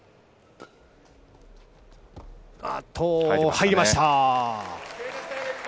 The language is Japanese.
入りました。